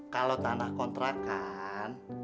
kalau tanah kontrakan